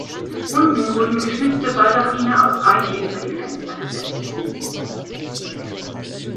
Unten wurden geschnitzte Baldachine aus Eiche über die Fenster gesetzt.